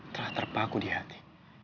telah terpaku di hati